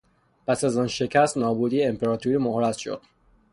پس از آن شکست نابودی امپراطوری محرز شد.